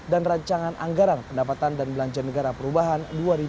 dan rancangan anggaran pendapatan dan belanja negara perubahan dua ribu enam belas